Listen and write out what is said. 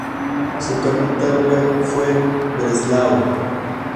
Su capital fue Breslau.